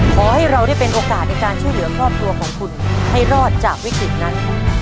ขอให้เราได้เป็นโอกาสในการช่วยเหลือครอบครัวของคุณให้รอดจากวิกฤตนั้น